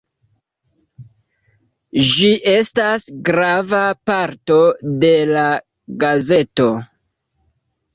Ĝi estas grava parto de la gazeto.